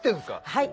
はい。